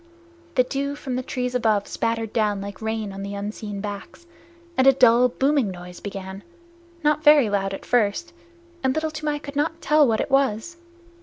The dew from the trees above spattered down like rain on the unseen backs, and a dull booming noise began, not very loud at first, and Little Toomai could not tell what it was.